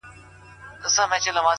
زه د غم تخم کرمه او ژوندی پر دنیا یمه؛